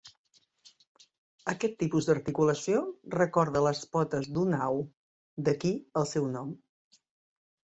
Aquest tipus d"articulació recorda les potes d"una au, d"aquí el seu nom.